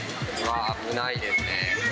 わー、危ないですね。